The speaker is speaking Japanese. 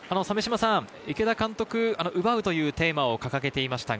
池田監督、「奪う」というテーマを掲げていました。